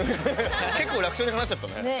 結構楽勝でかなっちゃったね。ね。